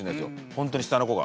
本当に下の子が。